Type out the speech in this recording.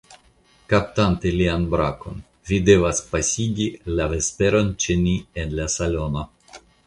Kaptante lian brakon, vi devas pasigi la vesperon ĉe ni en la salono.